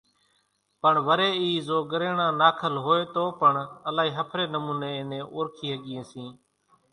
پڻ وريَ اِي زو ڳريڻان ناکل هوئيَ تو پڻ الائِي ۿڦريَ نمونيَ اين نين اورکِي ۿڳيئين سيئين۔